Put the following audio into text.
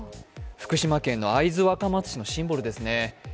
福島県会津若松市のシンボルですね。